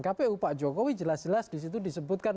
kpu pak jokowi jelas jelas disitu disebutkan